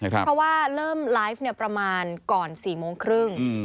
เพราะว่าเริ่มไลฟ์ประมาณก่อน๔โมงครึ่ง